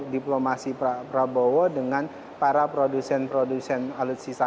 diplomasi pak prabowo dengan para produsen produsen alutsista